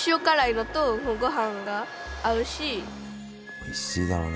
おいしいだろうね。